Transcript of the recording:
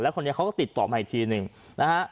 แล้วคนนี้เขาก็ติดต่อใหม่ทีนึงนะฮะ